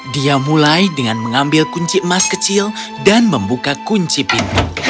dia mulai dengan mengambil kunci emas kecil dan membuka kunci pintu